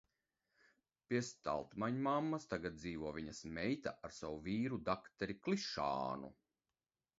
Pie Staltmaņmammas tagad dzīvo viņas meita ar savu vīru dakteri Klišānu.